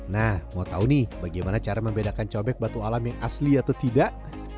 nah mau tahu nih bagaimana cara membedakan cobek batu alam yang asli atau tidak